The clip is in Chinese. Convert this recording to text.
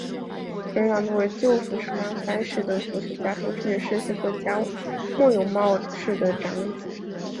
纯一郎作为旧福冈藩士的国学家同是也是诗歌家末永茂世的长子。